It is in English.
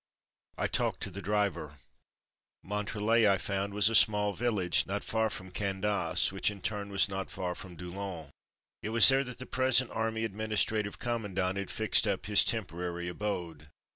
I talked to the driver. Montrelet, I found, was a small village not far from Candas, which in turn was not far from DouUens. It was there that the present Army Administrative Commandant had fixed up his temporary abode.